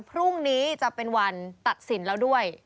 พรุ่งนี้จะเป็นวันตัดสินแล้วด้วย